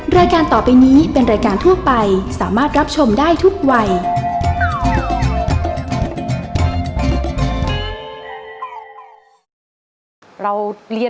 รายการต่อไปนี้เป็นรายการทั่วไปสามารถรับชมได้ทุกวัย